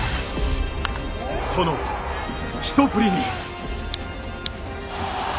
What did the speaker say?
そのひと振りに。